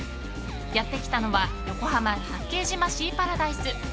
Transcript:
やってきたのは横浜・八景島シーパラダイス。